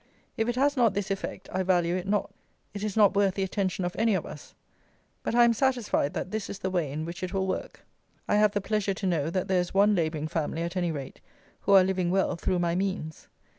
If it has not this effect, I value it not. It is not worth the attention of any of us; but I am satisfied that this is the way in which it will work. I have the pleasure to know that there is one labouring family, at any rate, who are living well through my means.